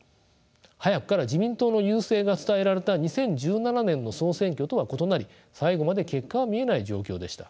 早くから自民党の優勢が伝えられた２０１７年の総選挙とは異なり最後まで結果は見えない状況でした。